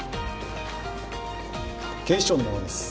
警視庁の者です